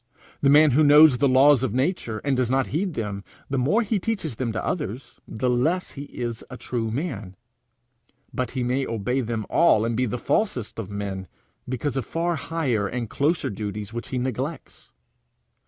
The man who knows the laws of nature, and does not heed them, the more he teaches them to others, the less is he a true man. But he may obey them all and be the falsest of men, because of far higher and closer duties which he neglects.